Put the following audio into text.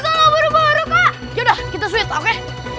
aku mau buru buru kita oke